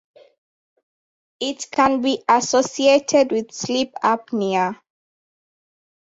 It can be associated with sleep apnea.